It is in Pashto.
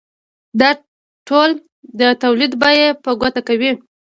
دا ټول د تولید بیه په ګوته کوي